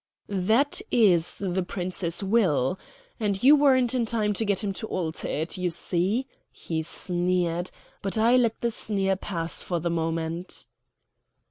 "That is the Prince's will. And you weren't in time to get him to alter it, you see," he sneered; but I let the sneer pass for the moment.